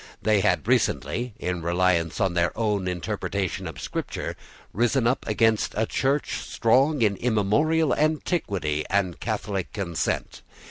They had recently, in reliance on their own interpretation of Scripture, risen up against a Church strong in immemorial antiquity and catholic consent.